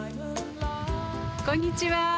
こんにちは。